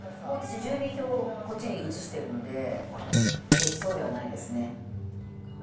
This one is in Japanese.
もう私、住民票をこっちに移してるので、別荘ではないですね。